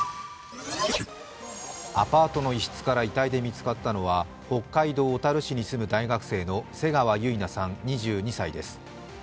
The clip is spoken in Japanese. アパートの一室から遺体で見つかったのは北海道小樽市に住む大学生の瀬川結菜さん２２歳です。